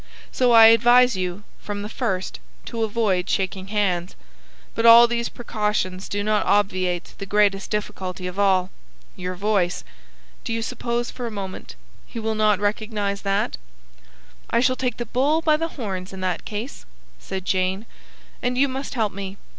So I advise you, from the first, to avoid shaking hands. But all these precautions do not obviate the greatest difficulty of all, your voice. Do you suppose, for a moment, he will not recognise that?" "I shall take the bull by the horns in that case," said Jane, "and you must help me.